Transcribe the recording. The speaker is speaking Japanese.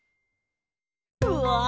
うわ！